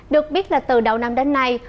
được biết là từ đầu năm đến nay